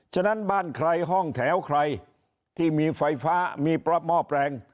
ฉะนั้นบ้านใครห้องแถวใครที่มีไฟฟ้ามีปรับหม้อแปลง